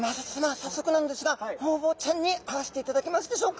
早速なんですがホウボウちゃんに会わせていただけますでしょうか。